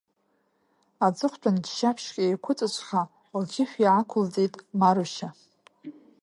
Аҵыхәтәан ччаԥшьк еиқәыҵәыҵәха лқьышә иаақәылҵеит Марушьа.